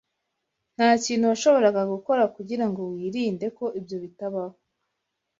Ntakintu washoboraga gukora kugirango wirinde ko ibyo bitabaho.